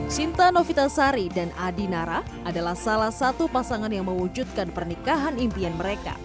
sinta novita sari dan adi nara adalah salah satu pasangan yang mewujudkan pernikahan impian mereka